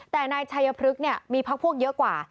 แต่นายชัยพฤกษ์มีพักพวกเยอะกว่า